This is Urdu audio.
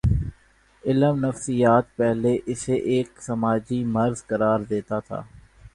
علم نفسیات پہلے اسے ایک سماجی مرض قرار دیتا تھا۔